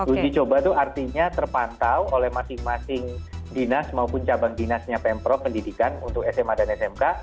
uji coba itu artinya terpantau oleh masing masing dinas maupun cabang dinasnya pemprov pendidikan untuk sma dan smk